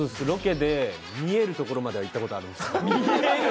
ロケで見えるところまでは行ったことがあるんですよ。